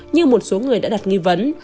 như một số người đã đặt nghi vấn